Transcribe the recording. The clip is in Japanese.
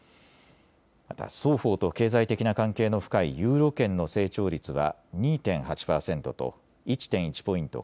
また双方と経済的な関係の深いユーロ圏の成長率は２．８％と１．１ポイント